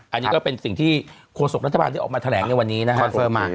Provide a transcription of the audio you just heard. อันนี้ก็เป็นสิ่งที่โฆษกรัฐบาลที่ออกมาแถลงในวันนี้นะครับ